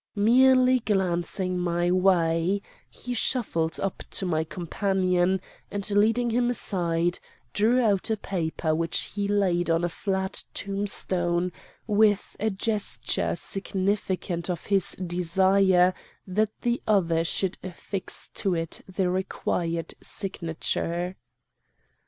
Merely glancing my way, he shuffled up to my companion, and leading him aside, drew out a paper which he laid on a flat tombstone with a gesture significant of his desire that the other should affix to it the required signature.